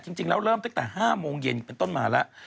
จริงแล้วเริ่มตั้งแต่๕โมงเย็นเป็นต้นมาแล้ว